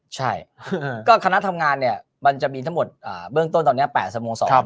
ใช่ก็คณะทำงานเนี่ยมันจะมีทั้งหมดเบื้องต้นตอนนี้๘สโมสร